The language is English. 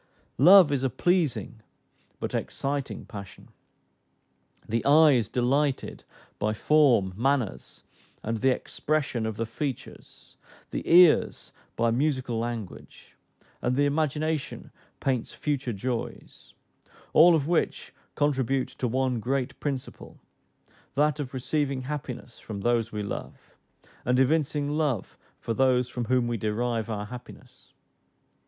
Love is a pleasing but exciting passion. The eye is delighted by form, manners, and the expression of the features, the ears by musical language, and the imagination paints future joys; all of which contribute to one great principle, that of receiving happiness from those we love, and evincing love for those from whom we derive our happiness.